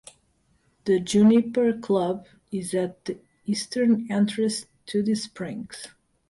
The Juniper Club is at the eastern entrance to the springs.